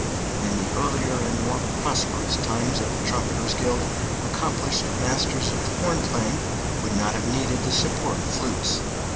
In the earlier and more prosperous times of the trumpeters' guild, accomplished masters of horn playing would not have needed the support of flutes.